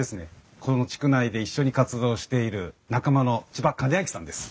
この地区内で一緒に活動している仲間の千葉周秋さんです。